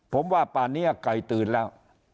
ผมว่าป่านเนี่ยใกล้ตื่นแล้ว